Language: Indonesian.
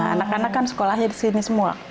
anak anak kan sekolahnya di sini semua